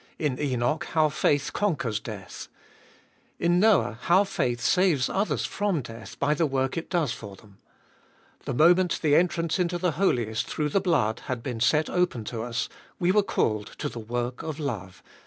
In Enoch, how faith conquers death. In Noah, how faith saves others from death by the work it does for them. The moment the entrance into the Holiest through the blood had been set open to us, we were called to the work of love (x.